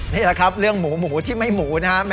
นี่แหละครับเรื่องหมูหมูที่ไม่หมูนะครับ